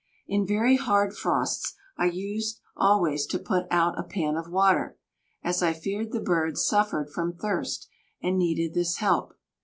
In very hard frosts I used always to put out a pan of water, as I feared the birds suffered from thirst and needed this help.